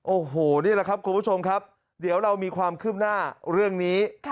โอ้โหนี่แหละครับคุณผู้ชมครับเดี๋ยวเรามีความคืบหน้าเรื่องนี้